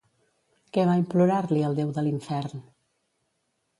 Què va implorar-li al déu de l'infern?